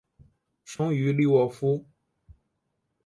生于利沃夫。